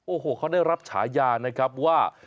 โอ้โหเขาได้รับฉายานะครับว่า